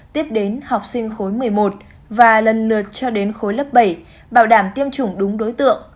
tiếp đến học sinh khối một mươi một và lần lượt cho đến khối lớp bảy bảo đảm tiêm chủng đúng đối tượng